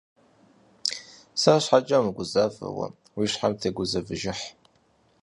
Сэр щхьэкӀэ умыгузавэ уэ, уи щхьэм тегузэвыхьыж.